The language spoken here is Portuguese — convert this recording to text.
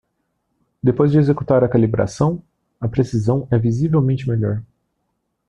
Depois de executar a calibração?, a precisão é visivelmente melhor.